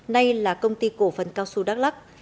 nay là công ty cổ phần cao su đắk lắc